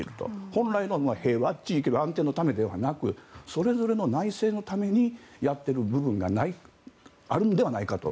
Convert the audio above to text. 本来の平和地域の安定のためではなくそれぞれの内政のためにやっている部分があるのではないかと。